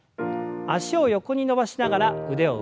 脚を横に伸ばしながら腕を上。